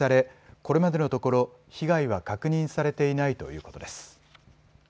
これまでのところ被害は確認されていないということです。